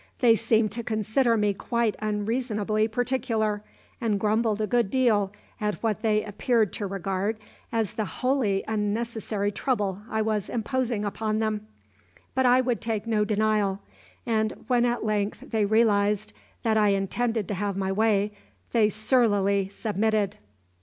They seemed to consider me quite unreasonably particular, and grumbled a good deal at what they appeared to regard as the wholly unnecessary trouble I was imposing upon them; but I would take no denial; and when at length they realised that I intended to have my way they surlily submitted.